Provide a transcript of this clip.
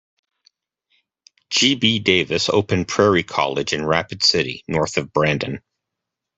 G. B. Davis opened Prairie College in Rapid City, north of Brandon.